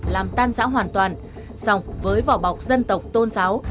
làm tan rã hoàn toàn sọng với vò bọc dân tộc tôn giáo